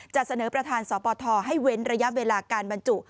จะเสนอประธานสปทให้เว้นระยะเวลาการบรรจุ